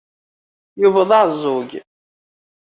Yuba d aεeẓẓug.